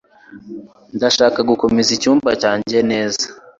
Ndashaka gukomeza icyumba cyanjye neza.